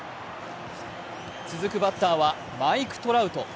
続くバッターはマイク・トラウト。